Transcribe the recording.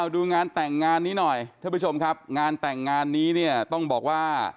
ดูงานแต่งงานนี้หน่อยท่านผู้ชมครับงานแต่งงานนี้เนี่ยต้องบอกว่า